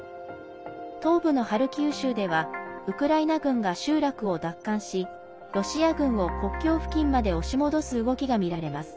東部のハルキウ州ではウクライナ軍が集落を奪還しロシア軍を国境付近まで押し戻す動きが見られます。